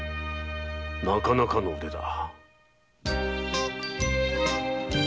なかなかの腕だ。